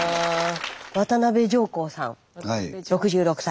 渡辺誠功さん６６歳。